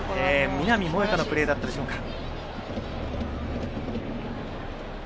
南萌華のプレーだったでしょうか。